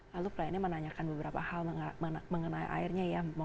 lalu kliennya menanyakan beberapa hal mengenai airnya ya